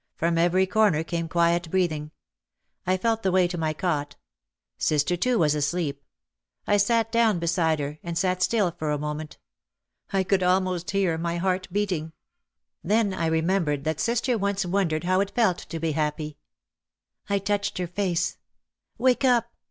From every corner came quiet breathing. I felt the way to my cot. Sister, too, was asleep. I sat down beside her, and sat still for a moment. I could almost hear my heart beating. Then I remembered that sister once won dered how it felt to be happy. I touched her face, "Wake up!"